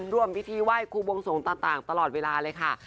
ร่วมพิธีไหว้ครูบวงสวงต่างตลอดเวลาเลยค่ะ